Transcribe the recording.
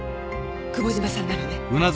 久保島さんなのね。